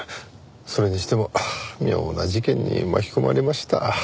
それにしても妙な事件に巻き込まれました。